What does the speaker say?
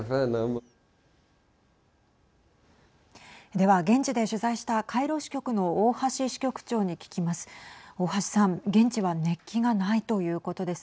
では、現地で取材したカイロ支局の大橋支局長に聞きます。